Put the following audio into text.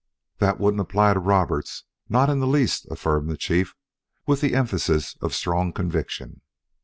"That wouldn't apply to Roberts not in the least," affirmed the Chief with the emphasis of strong conviction.